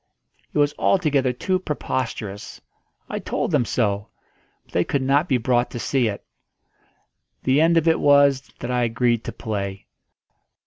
It was altogether too preposterous. I told them so. But they could not be brought to see it. The end of it was that I agreed to play.